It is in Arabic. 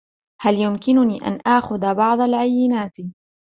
هل يمكنني أن آخذ بعض العينات ؟